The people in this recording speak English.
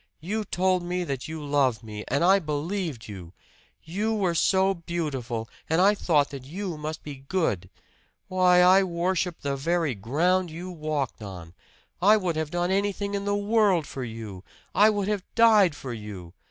You told me that you loved me, and I believed you. You were so beautiful, and I thought that you must be good! Why, I worshiped the very ground you walked on. I would have done anything in the world for you I would have died for you!